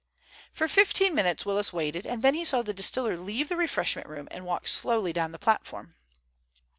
For fifteen minutes Willis waited, and then he saw the distiller leave the refreshment room and walk slowly down the platform.